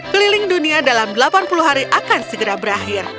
keliling dunia dalam delapan puluh hari akan segera berakhir